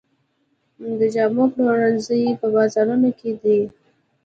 د جامو پلورنځي په بازارونو کې دي